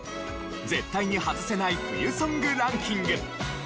絶対にハズせない冬ソングランキング。